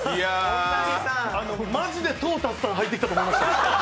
マジでトータスさん入ってきたと思いましたよ。